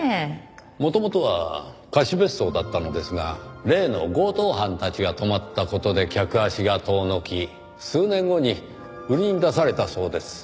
元々は貸別荘だったのですが例の強盗犯たちが泊まった事で客足が遠のき数年後に売りに出されたそうです。